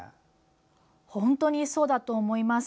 本当にそうだと思います。